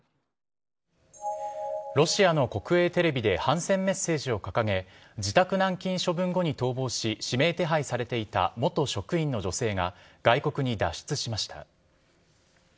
ロシアの国営テレビで反戦メッセージを掲げ、自宅軟禁処分後に逃亡し、指名手配されていた元職員の女性が、外国に脱出しました。